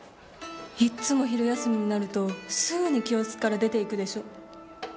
いっつも昼休みになるとすぐに教室から出ていくでしょ。